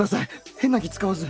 変な気使わず。